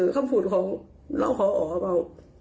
แล้วเจอคำพูดของเราขอออกก็